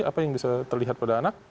apa yang bisa terlihat pada anak